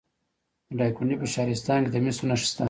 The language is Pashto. د دایکنډي په شهرستان کې د مسو نښې شته.